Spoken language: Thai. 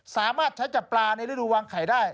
สามารถใช้จับปลาในฤดูวางไข่ได้